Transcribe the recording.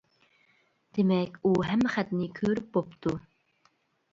دېمەك ئۇ ھەممە خەتنى كۆرۈپ بوپتۇ.